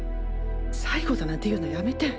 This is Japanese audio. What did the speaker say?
最後だなんて言うのはやめて。